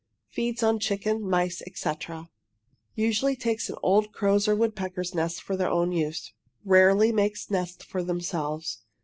Feeds on chicken, mice, etc. Usually take an old crow's or woodpecker's nest for their own use rarely make nests for themselves.